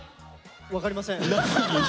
分かりません。